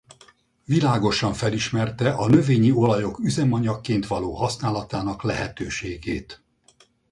Világosan felismerte a növényi olajok üzemanyagként való használatának lehetőségét.